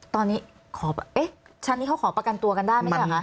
ตอนนี้ขอเอ๊ะชั้นนี้เขาขอประกันตัวกันได้ไหมคะคะ